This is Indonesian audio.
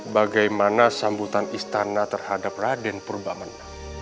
bagaimana sambutan istana terhadap raden pemba benang